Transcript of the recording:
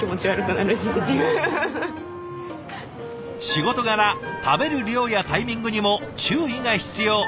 仕事柄食べる量やタイミングにも注意が必要。